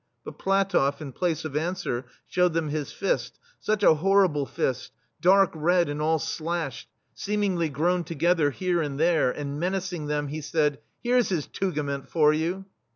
But PlatofF, in place of answer, showed them his fist, — such a horrible fist, — dark red and all slashed, seem ingly grown together here and there — and menacing them, he said: "Here's his tugament for you